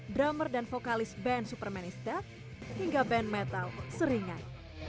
drummer dan vokalis band superman is death hingga band metal seringai